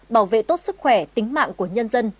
bảo vệ tốt sức khỏe tính mạng của nhân dân